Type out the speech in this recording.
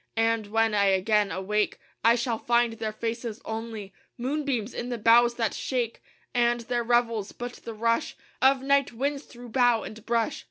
And when I again awake, I shall find their faces only Moonbeams in the boughs that shake; And their revels but the rush Of night winds through bough and brush.